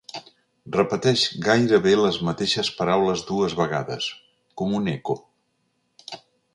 Repeteix gairebé les mateixes paraules dues vegades, com un eco.